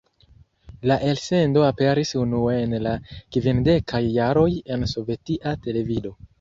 La elsendo aperis unue en la kvindekaj jaroj en sovetia televido.